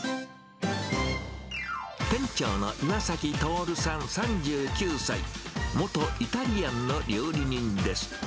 店長の岩崎徹さん３９歳、元イタリアンの料理人です。